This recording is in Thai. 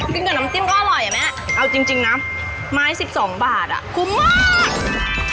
กินกับน้ำจิ้มก็อร่อยอ่ะแม่เอาจริงนะไม้๑๒บาทอ่ะคุ้มมาก